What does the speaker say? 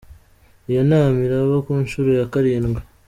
Iyo nama iraba ku nshuro ya karindwi.